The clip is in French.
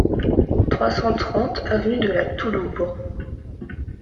trois cent trente avenue de la Touloubre